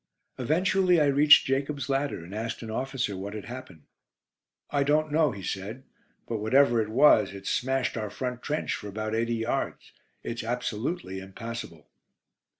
Eventually I reached "Jacob's Ladder," and asked an officer what had happened. "I don't know," he said; "but whatever it was, it's smashed our front trench for about eighty yards: it's absolutely impassable."